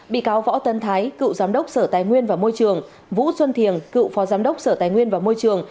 bị cáo võ tân thái cựu giám đốc sở tài nguyên và môi trường vũ xuân thiềng cựu phó giám đốc sở tài nguyên và môi trường